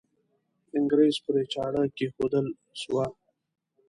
انګریز پرې چاړه کښېښودل سوه.